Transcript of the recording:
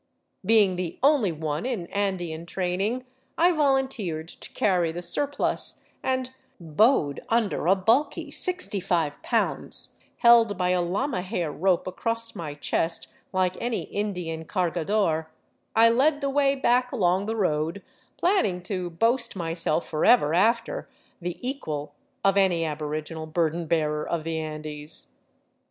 Being the only one in Andean training, I volunteered to carry the surplus and, bowed under a bulky sixty five pounds held by a llama hair rope across my chest, like any Indian cargador, I led the way back along the road, planning to boast myself forever after the equal of any aboriginal burden bearer of the Andes.